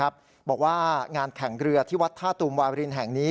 บอกว่างานแข่งเรือที่วัดท่าตูมวารินแห่งนี้